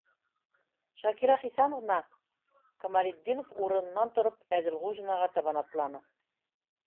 Шакира Хисамовна, - Камалетдинов урынынан тороп Әҙелғужинаға табан атланы.